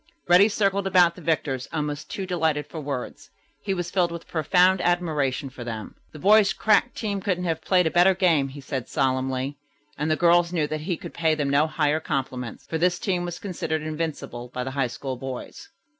Reddy circled about the victors almost too delighted for words. He was filled with profound admiration for them. "The boys' crack team couldn't have played a better game," he said solemnly, and the girls knew that he could pay them no higher compliment, for this team was considered invincible by the High School boys.